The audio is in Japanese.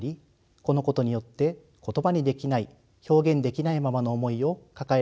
このことによって言葉にできない表現できないままの思いを抱える人がいます。